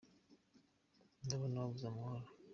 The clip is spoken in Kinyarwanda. Ndabona wabuze amahoro.